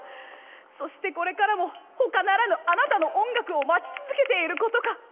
そしてこれからもほかならぬあなたの音楽を待ち続けていることか。